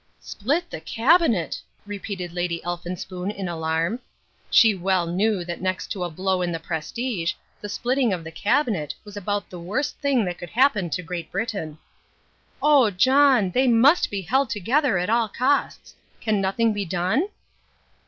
"Split the Cabinet!" repeated Lady Elphinspoon in alarm. She well knew that next to a blow in the prestige the splitting of the Cabinet was about the worst thing that could happen to Great Britain. "Oh, John, they must be held together at all costs. Can nothing be done?"